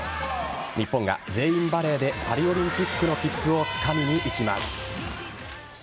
日本が全員バレーでパリオリンピックの切符をつかみにいきます。